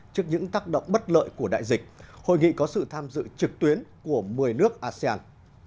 trước những tác động bất lợi của đại dịch hội nghị có sự tham dự trực tuyến của một mươi nước asean